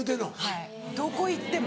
はいどこ行っても。